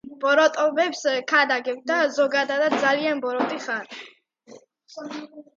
ბოროტებებს ქადაგებ და ზოგადადაც ძალიან ბოროტი ხარ!